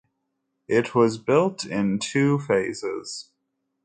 It was built in two phases.